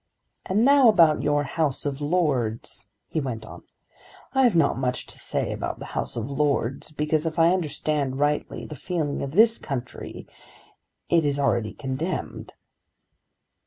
"And now about your House of Lords," he went on. "I have not much to say about the House of Lords, because if I understand rightly the feeling of this country it is already condemned."